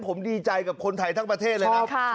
ผมดีใจกับคนไทยทั้งประเทศเลยนะ